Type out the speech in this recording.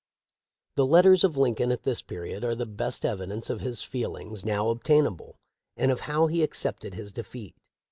* The letters of Lincoln at this period are the best evidence of his feelings now obtainable, and of how he accepted his defeat.